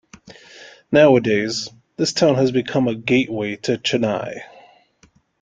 Nowadays, this town has become a gateway to Chennai.